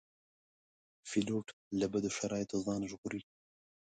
پیلوټ له بدو شرایطو ځان ژغوري.